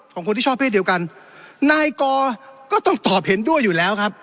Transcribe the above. ของคนที่ชอบเพศเดียวกันนายกอก็ต้องตอบเห็นด้วยอยู่แล้วครับ